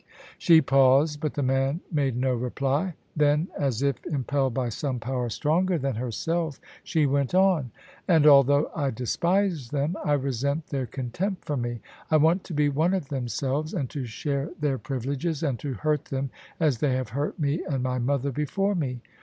She paused, but the man made no reply: then — as if Im pelled by some power stronger than herself — she went on: " And although I despise them, I resent their contempt for me. I want to be one of themselves, and to share their privileges, and to hurt them as they have hurt me and my mother before me.